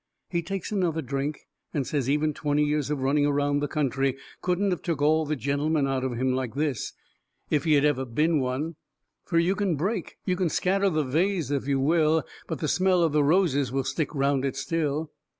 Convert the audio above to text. He takes another drink and says even twenty years of running around the country couldn't of took all the gentleman out of him like this, if he had ever been one, fur you can break, you can scatter the vase if you will, but the smell of the roses will stick round it still.